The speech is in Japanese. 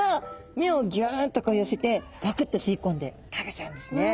目をギュンとこう寄せてパクって吸い込んで食べちゃうんですね。